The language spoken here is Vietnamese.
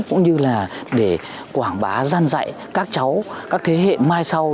cũng như là để quảng bá gian dạy các cháu các thế hệ mai sau